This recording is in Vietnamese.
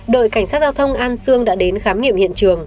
đội cảnh sát giao thông an sương đã đến khám nghiệm hiện trường